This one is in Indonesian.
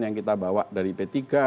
yang kita bawa dari p tiga